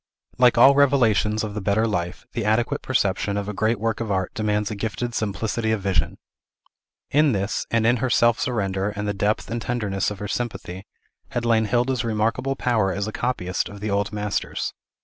Like all revelations of the better life, the adequate perception of a great work of art demands a gifted simplicity of vision. In this, and in her self surrender, and the depth and tenderness of her sympathy, had lain Hilda's remarkable power as a copyist of the old masters.